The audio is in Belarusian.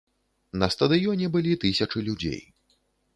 На стадыёне былі тысячы людзей.